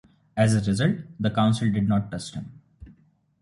As a result, the council didn't trust him.